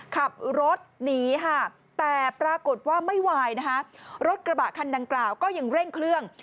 ขับรถหนีค่ะแต่ปรากฏว่าไม่ไหวนะคะรถกระบะคันดังกล่าวก็ยังเร่งเครื่อง